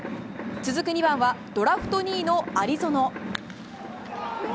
続く２番はドラフト２位の有薗。